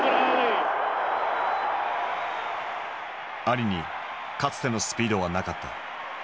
アリにかつてのスピードはなかった。